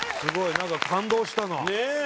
なんか感動したな。